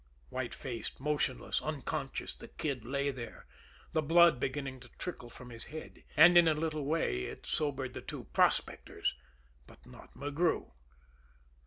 White faced, motionless, unconscious, the Kid lay there, the blood beginning to trickle from his head, and in a little way it sobered the two "prospectors" but not McGrew.